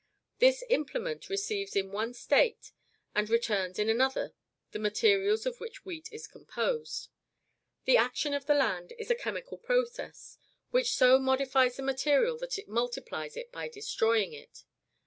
This implement receives in one state, and returns in another the materials of which wheat is composed. The action of the land is a chemical process, which so modifies the material that it multiplies it by destroying it.